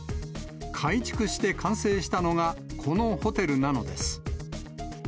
改築して完成したのが、このホテルなのです。